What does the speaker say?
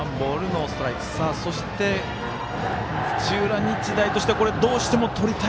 土浦日大としてはどうしても取りたい